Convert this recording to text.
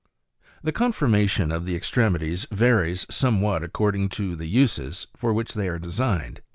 10. The conformation of the extremities varies somewhat ac cording to the uses for which they are designed.